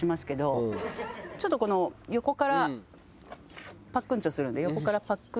ちょっとこの横からパックンチョするんで。